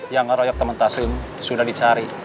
yang ngeroyok teman taslim sudah dicari